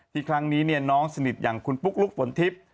ครั้งนี้น้องสนิทอย่างคุณปุ๊กลุ๊กฝนทิพย์